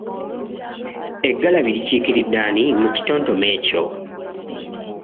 Eggalabi likiikiridde ani mu kitontome ekyo?